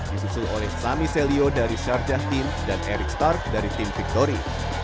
disusul oleh sami selyo dari syarjah team dan eric stark dari tim victory